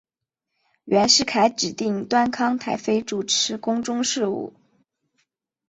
袁世凯指定端康太妃主持宫中事务。